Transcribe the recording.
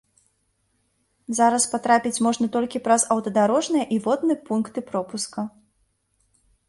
Зараз патрапіць можна толькі праз аўтадарожныя і водны пункты пропуска.